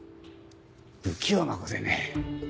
不器用な子でね。